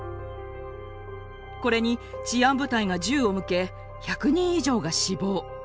これに治安部隊が銃を向け１００人以上が死亡。